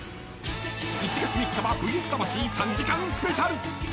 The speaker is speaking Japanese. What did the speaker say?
［１月３日は『ＶＳ魂』３時間スペシャル］